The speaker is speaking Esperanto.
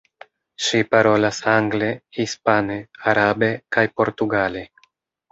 Ŝi parolas angle, hispane, arabe kaj portugale.